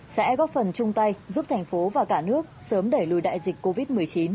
sẽ góp phần chung tay giúp thành phố và cả nước sớm đẩy lùi đại dịch covid một mươi chín